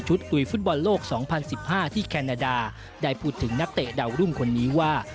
คุยฟุตบอลโลก๒๐๑๕ที่แคนาดาได้พูดถึงนักเตะดาวรุ่งคนนี้ว่า